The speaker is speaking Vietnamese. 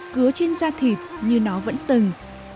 cứa trên da thịt như nó vẫn từng